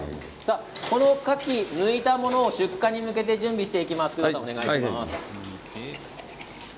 このカキ、むいたものを出荷に向けて準備をしていきます。